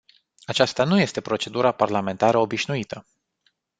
Aceasta nu este procedura parlamentară obișnuită.